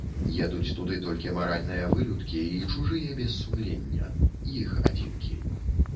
Едуць туды толькі маральныя вылюдкі і чужыя без сумлення, іх адзінкі.